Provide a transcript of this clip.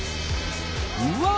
うわ！